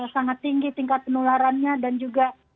sangat tinggi tingkat penularannya dan juga